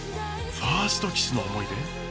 ファーストキスの思い出。